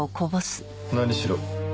何しろ